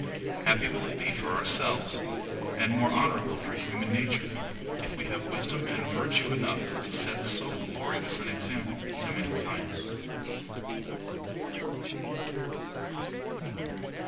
Happy will it be for ourselves, and more honorable for human nature, if we have wisdom and virtue enough to set so glorious an example to mankind!)